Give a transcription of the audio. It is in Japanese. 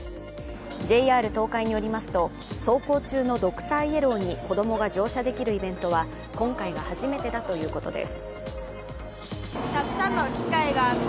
ＪＲ東海によりますと、走行中のドクターイエローに子供が乗車できるイベントは今回が初めてだということです。